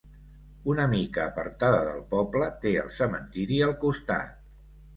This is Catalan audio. Una mica apartada del poble, té el cementiri al costat.